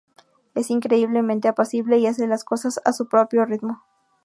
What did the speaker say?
Es increíblemente apacible y hace las cosas a su propio ritmo.